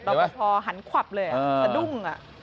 รอบพระพอหันขวับเลยสะดุ้ง